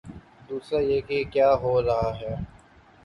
دوسرا یہ کہ کیا ہو رہا ہے۔